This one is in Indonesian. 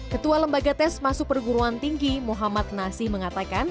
ketua lembaga tes masuk perguruan tinggi muhammad nasi mengatakan